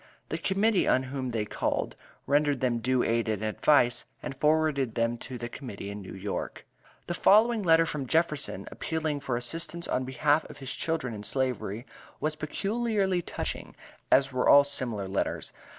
The Committee on whom they called, rendered them due aid and advice, and forwarded them to the Committee in New York. The following letter from Jefferson, appealing for assistance on behalf of his children in Slavery, was peculiarly touching, as were all similar letters.